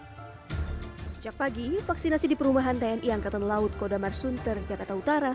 hai sejak pagi vaksinasi di perumahan tni angkatan laut kodamar sunter jakarta utara